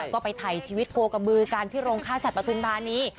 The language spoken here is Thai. ก็ไปไทยชีวิตโครกะบือการที่โรงค่าสัตว์ประทุนภาณี